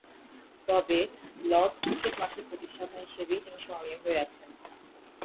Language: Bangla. তবে, লর্ড’স ক্রিকেট মাঠের প্রতিষ্ঠাতা হিসেবেই তিনি স্মরণীয় হয়ে আছেন।